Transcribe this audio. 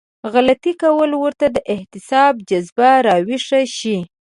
غلطي کول ورته د احتساب جذبه راويښه شي.